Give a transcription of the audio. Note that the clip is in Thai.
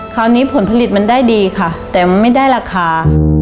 ผลผลิตมันได้ดีค่ะแต่ไม่ได้ราคา